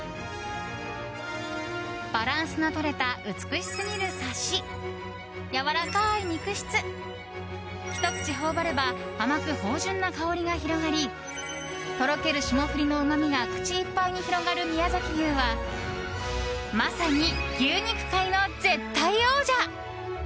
バランスのとれた美しすぎるサシやわらかい肉質ひと口頬張れば甘く芳醇な香りが広がりとろける霜降りのうまみが口いっぱいに広がる宮崎牛はまさに牛肉界の絶対王者。